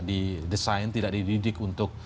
didesain tidak dididik untuk